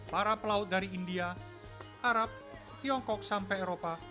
para pelaut dari india arab tiongkok sampai eropa